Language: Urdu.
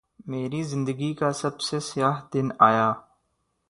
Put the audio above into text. میری زندگی کا سب سے سیاہ دن آیا